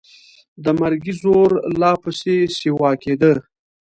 د مرګي زور لا پسې سیوا کېده.